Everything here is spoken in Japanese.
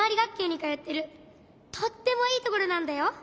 とってもいいところなんだよ。